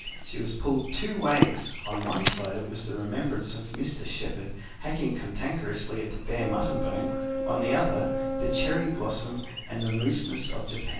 She was pulled two ways: on the one side was the remembrance of Mr. Shepherd hacking cantankerously at the bare mutton bone; on the other, the cherry blossom and the mousmes of Japan.